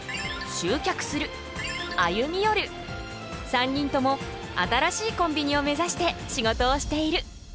３人とも新しいコンビニを目指して仕事をしている。